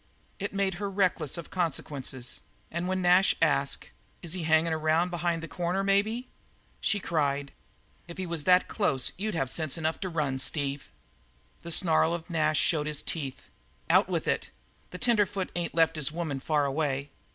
It made her reckless of consequences; and when Nash asked, "Is he hangin' around behind the corner, maybe?" she cried: "If he was that close you'd have sense enough to run, Steve." The snarl of Nash showed his teeth. "Out with it. The tenderfoot ain't left his woman fur away.